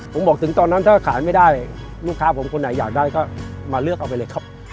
ผมบอกถึงตอนนั้นถ้าขายไม่ได้ลูกค้าผมคนไหนอยากได้ก็มาเลือกเอาไปเลยครับ